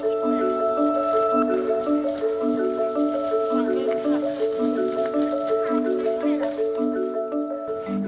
mereka berpengalaman menghadapi penyakit